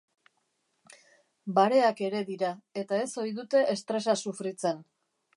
Bareak ere dira eta ez ohi dute estresa sufritzen.